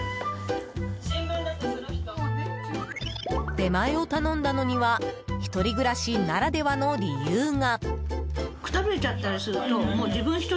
出前を頼んだのには１人暮らしならではの理由が。